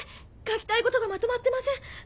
書きたいことがまとまってません